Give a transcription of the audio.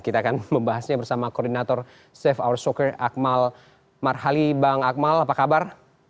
kita akan membahasnya bersama koordinator safe hour soccer akmal marhali bang akmal apa kabar